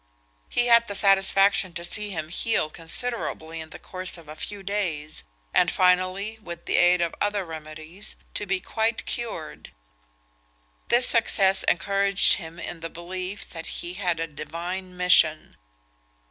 He had the satisfaction to see him heal considerably in the course of a few days; and finally, with the aid of other remedies, to be quite cured. This success encouraged him in the belief that he had a divine mission.